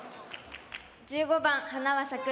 １５番「花は咲く」。